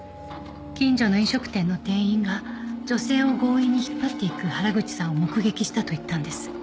近所の飲食店の店員が女性を強引に引っ張っていく原口さんを目撃したと言ったんです。